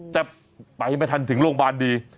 แต่ไปไม่ทันถึงโรงบานดี